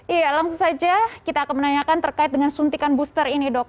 iya langsung saja kita akan menanyakan terkait dengan suntikan booster ini dok